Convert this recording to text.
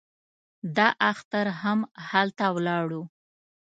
دا اختر هم هلته ولاړو.